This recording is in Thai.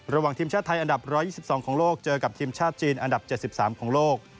ระหว่างทีมชาติไทยอันดับ๑๒๒ของโลกเจอกับทีมชาติจีนอันดับ๗๓ของโลก